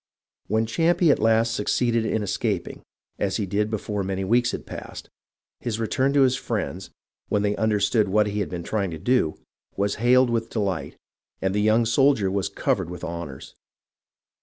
When Champe at last succeeded in escaping, as he did before many weeks had passed, his return to his friends, when they understood what he had been trying to do, was hailed with delight and the young soldier was covered with honours.